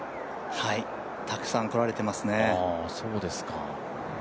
たくさん来られてますね。